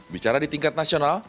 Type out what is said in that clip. bicara di tingkat nasional